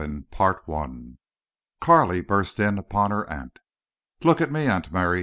CHAPTER XI Carley burst in upon her aunt. "Look at me, Aunt Mary!"